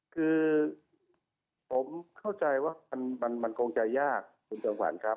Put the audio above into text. คือผมเข้าใจว่ามันคงจะยากคุณจำขวัญครับ